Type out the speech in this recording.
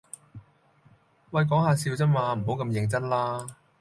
喂講吓笑咋嘛，唔好咁認真啦